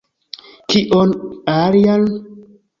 Kion alian?